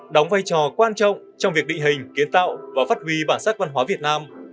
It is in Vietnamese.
đóng vai trò quan trọng trong việc định hình kiến tạo và phát huy bản sắc văn hóa việt nam